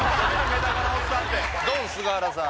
ドン菅原さん